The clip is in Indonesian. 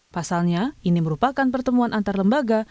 pasalnya ini merupakan pertemuan antar lembaga